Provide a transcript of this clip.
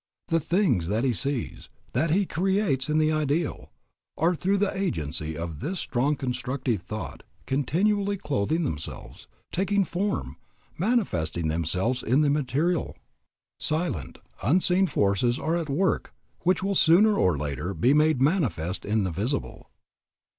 The things that he sees, that he creates in the ideal, are through the agency of this strong constructive thought continually clothing themselves, taking form, manifesting themselves in the material. Silent, unseen forces are at work which will sooner or later be made manifest in the visible.